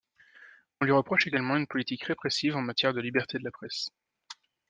On lui reproche également une politique répressive en matière de liberté de la presse.